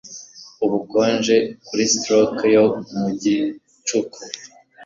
Ubukonje, kuri stroke yo mu gicuku,